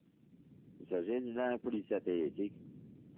Il s'agit d'une langue polysynthétique.